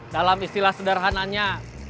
dalam istilah sederhananya